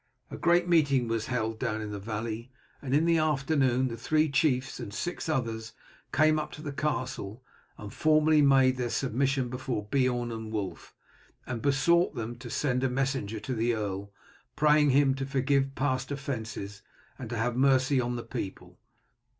A great meeting was held down in the valley, and in the afternoon the three chiefs and six others came up to the castle and formally made their submission before Beorn and Wulf, and besought them to send a messenger to the earl praying him to forgive past offences and to have mercy on the people.